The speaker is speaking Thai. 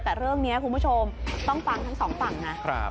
แต่เรื่องนี้คุณผู้ชมต้องฟังทั้งสองฝั่งนะ